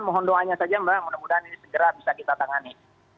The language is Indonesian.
mohon doanya saja mbak mudah mudahan ini segera bisa kita tangani